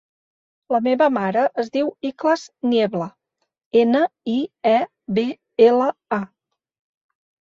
La meva mare es diu Ikhlas Niebla: ena, i, e, be, ela, a.